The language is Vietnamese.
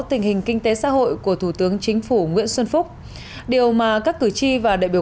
tình hình kinh tế xã hội của thủ tướng chính phủ nguyễn xuân phúc điều mà các cử tri và đại biểu